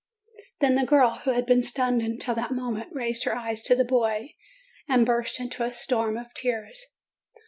Then the girl, who had been stunned until that mo ment, raised her eyes to the boy, and burst into a storm of tears.